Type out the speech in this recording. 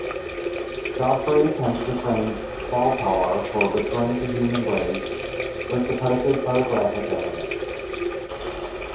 Godfrey attempts to frame Baltar for betraying the human race with supposed photographic evidence.